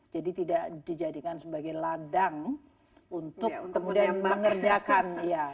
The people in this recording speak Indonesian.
tidak dijadikan sebagai ladang untuk kemudian mengerjakan